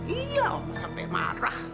iya oma sampai marah